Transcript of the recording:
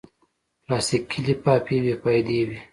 پلاستيکي لفافې بېفایدې وي.